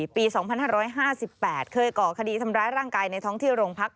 ปี๒๕๕๘เคยก่อคดีทำร้ายร่างกายในท้องที่โรงพัก